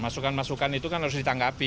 masukan masukan itu kan harus ditanggapi